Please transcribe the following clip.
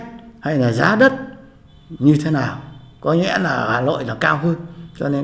thì cái tâm tư nguyện vọng nhân dân